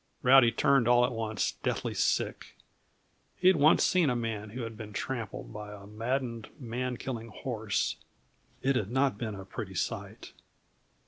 Rowdy turned all at once deathly sick. He had once seen a man who had been trampled by a maddened, man killing horse. It had not been a pretty sight.